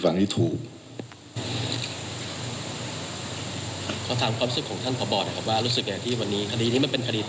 แต่เจ้าตัวก็ไม่ได้รับในส่วนนั้นหรอกนะครับ